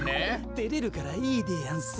てれるからいいでやんす。